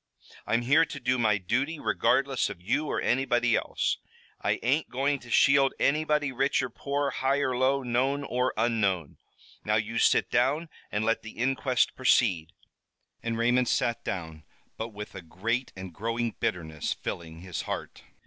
"I'm here to do my duty, regardless of you or anybody else. I ain't going to shield anybody, rich or poor, high or low, known or unknown! Now, you sit down, and let the inquest proceed." And Raymond sat down, but with a great and growing bitterness filling his heart.